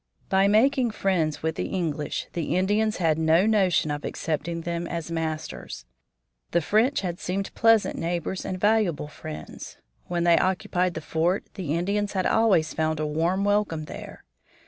By "making friends" with the English, the Indians had no notion of accepting them as masters. The French had seemed pleasant neighbors and valuable friends. When they occupied the fort the Indians had always found a warm welcome there.